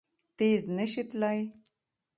تېز نه شي تلای!